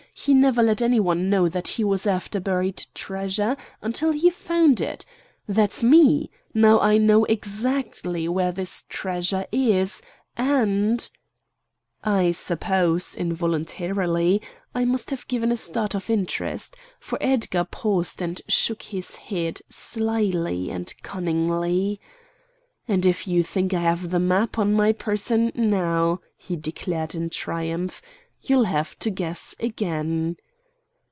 He never let any one know that he was after buried treasure, until he found it. That's me! Now I know exactly where this treasure is, and——" I suppose, involuntarily, I must have given a start of interest; for Edgar paused and shook his head, slyly and cunningly. "And if you think I have the map on my person now," he declared in triumph, "you'll have to guess again!"